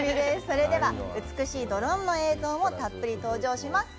それでは、美しいドローンの映像もたっぷり登場します。